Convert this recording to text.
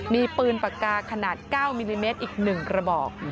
มีปืนปากกาขนาด๙มิลลิเมตรอีก๑กระบอก